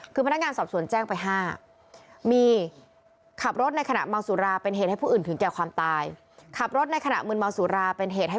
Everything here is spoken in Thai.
คือพนักงานสอบสวนแจ้งไป๕